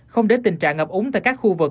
không để tình trạng ngập úng tại các khu vực